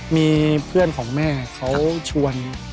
มีเพื่อนของแม่เขาชวน